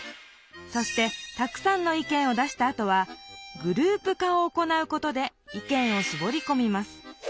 そしてたくさんの意見を出したあとは「グループ化」を行うことで意見をしぼりこみます。